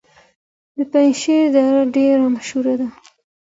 د پنجشیر دره ډیره مشهوره ده